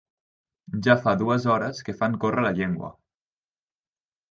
Ja fa dues hores que fan córrer la llengua.